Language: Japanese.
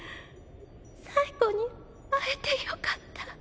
最後に会えて良かった。